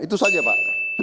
itu saja pak